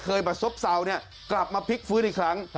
มาซบเศร้าเนี่ยกลับมาพลิกฟื้นอีกครั้ง